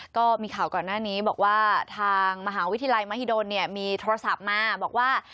ก็มีข่าวก่อนหน้านี้บอกว่าทางมหาวิทยาลัยมหิดลมีโทรศัพท์มาบอกว่า